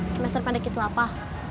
semester pendek itu apa